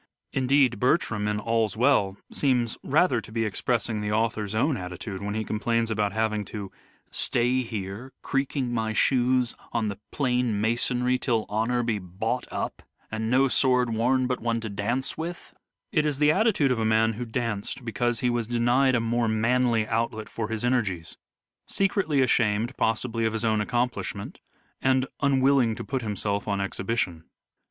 Indeed Bertram, in " All's Well," seems rather to be expressing the author's own attitude when he complains about having to '' Stay here, Creaking my shoes on the plain masonry, Till honour be bought up, and no sword worn But one to dance with." It is the attitude of a man who danced because he 248 " SHAKESPEARE " IDENTIFIED Shooting. Horseman ship. was denied a more manly outlet for his energies : secretly ashamed possibly of his own accomplishment and unwilling to put himself on exhioition.